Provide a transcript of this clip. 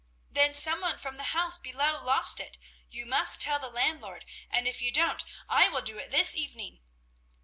"Then some one from the house below lost it. You must tell the landlord, and if you don't, I will do it this evening."